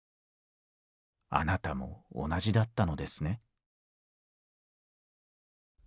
あなたも同じだったのですね」。